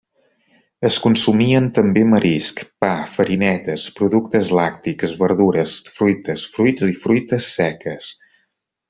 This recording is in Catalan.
Es consumien també marisc, pa, farinetes, productes làctics, verdures, fruites, fruits i fruites seques.